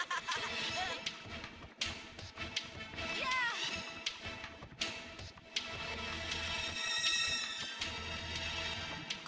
tidak bisa sisiknya buat aku